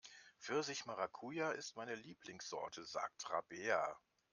Pfirsich-Maracuja ist meine Lieblingssorte, sagt Rabea.